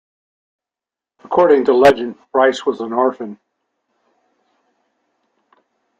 According to legend, Brice was an orphan.